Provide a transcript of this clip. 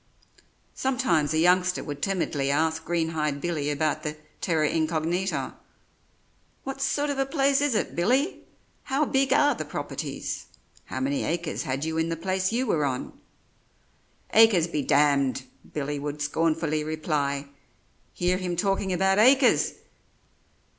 Sometimes a youngster would timidly ask Greenhide Billy about the 'terra incognita': "What sort of a place is it, Billy how big are the properties? How many acres had you in the place you were on?" "Acres be d d!" Billy would scornfully reply; "hear him talking about acres!